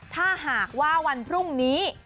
ถ้าหากว่าวันพรุ่งนี้